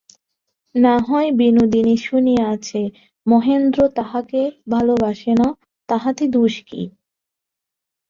নাহয় বিনোদিনী শুনিয়াছে, মহেন্দ্র তাহাকে ভালোবাসে না–তাহাতে দোষ কী।